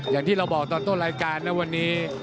อย่างที่เราบอกตอนต้นรายการนะวันนี้